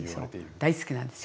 大好きなんですよ。